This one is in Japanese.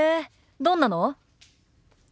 どんなの？